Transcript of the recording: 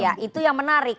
ya itu yang menarik